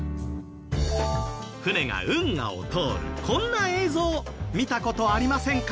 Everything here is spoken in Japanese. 船が運河を通るこんな映像見た事ありませんか？